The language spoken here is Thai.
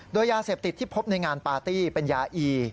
โดยยาเสพติดที่พบในงานปาร์ตี้เป็นยาอี